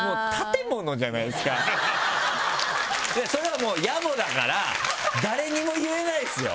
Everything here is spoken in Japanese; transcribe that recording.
それはもうやぼだから誰にも言えないですよ。